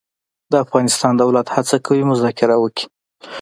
د افغانستان دولت هڅه کوي مذاکره وکړي.